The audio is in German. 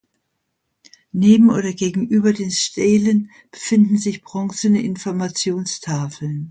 Neben oder gegenüber den Stelen befinden sich bronzene Informationstafeln.